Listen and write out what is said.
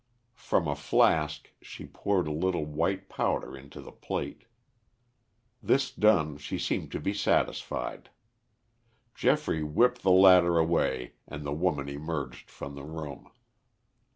From a flask she poured a little white powder into the plate. This done she seemed to be satisfied. Geoffrey whipped the ladder away and the woman emerged from the room.